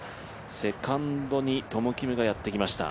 セカンドにトム・キムがやってきました。